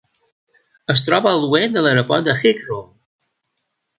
Es troba a l'oest de l'aeroport de Heathrow.